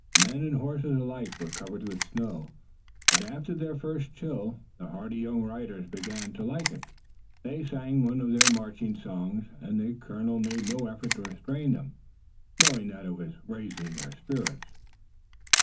Men and horses alike were covered with snow, but, after their first chill, the hardy young riders began to like it. They sang one of their marching songs, and the colonel made no effort to restrain them, knowing that it was raising their spirits.